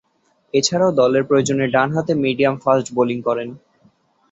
এছাড়াও দলের প্রয়োজনে ডানহাতে মিডিয়াম ফাস্ট বোলিং করেন।